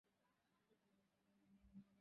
ডিনারকেই তাদের কাছে আসতে হবে।